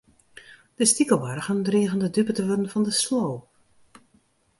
De stikelbargen drigen de dupe te wurden fan de sloop.